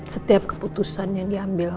setiap keputusan yang diambil